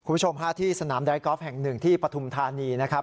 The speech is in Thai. คุณผู้ชมฮะที่สนามไดกอล์ฟแห่งหนึ่งที่ปฐุมธานีนะครับ